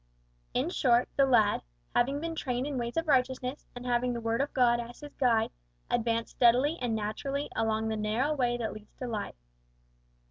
In short, the lad, having been trained in ways of righteousness, and having the Word of God as his guide, advanced steadily and naturally along the narrow way that leads to life.